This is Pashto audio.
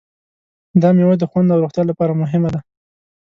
دا مېوه د خوند او روغتیا لپاره مهمه ده.